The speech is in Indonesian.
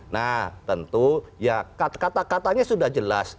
nah tentu ya kata katanya sudah jelas